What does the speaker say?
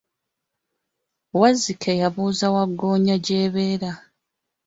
Wazzike yabuuza Waggoonya gy'abeera.